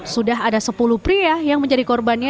sudah ada sepuluh pria yang menjadi korbannya